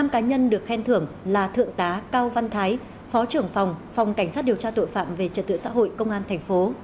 năm cá nhân được khen thưởng là thượng tá cao văn thái phó trưởng phòng phòng cảnh sát điều tra tội phạm về trật tự xã hội công an thành phố